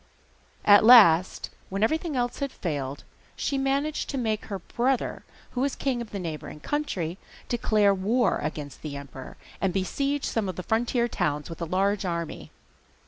At last, when everything else had failed, she managed to make her brother, who was king of the neighbouring country, declare war against the emperor, and besiege some of the frontier towns with a large army.